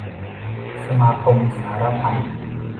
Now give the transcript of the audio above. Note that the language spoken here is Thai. สมาคมสาระพันธ์